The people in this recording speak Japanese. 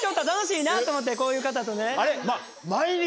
なと思ってこういう方とね。